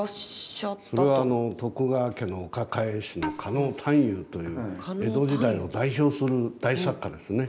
それは徳川家のお抱え絵師の狩野探幽という江戸時代を代表する大作家ですね。